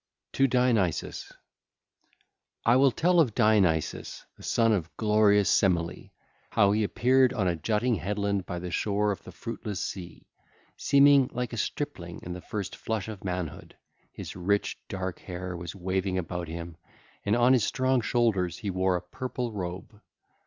TO DIONYSUS (ll. 1 16) I will tell of Dionysus, the son of glorious Semele, how he appeared on a jutting headland by the shore of the fruitless sea, seeming like a stripling in the first flush of manhood: his rich, dark hair was waving about him, and on his strong shoulders he wore a purple robe.